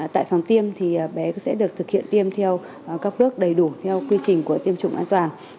tại phòng tiêm thì bé sẽ được thực hiện tiêm theo các bước đầy đủ theo quy trình của tiêm chủng an toàn